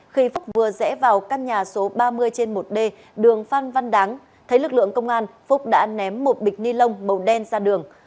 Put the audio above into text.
khi phúc vừa rẽ vào căn nhà số ba mươi trên một d đường phan văn đáng thấy lực lượng công an phúc đã ném một bịch ni lông màu đen ra đường